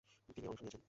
তিনি অংশ নিয়েছেন।